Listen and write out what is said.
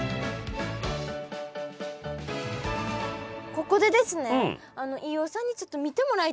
ここでですね飯尾さんにちょっと見てもらいたい写真があるんですよ。